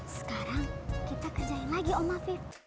sekarang kita kerjain lagi om mafit